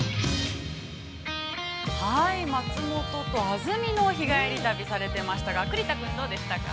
◆松本と安曇野、日帰り旅をされてましたが、栗田君、どうでしたか。